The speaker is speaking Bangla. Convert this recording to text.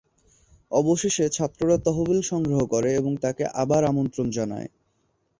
অবশেষে, ছাত্ররা তহবিল সংগ্রহ করে এবং তাকে আবার আমন্ত্রণ জানায়।